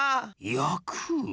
やく？